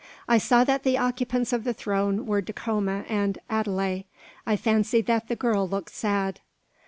I saw that the occupants of the throne were Dacoma and Adele. I fancied that the girl looked sad.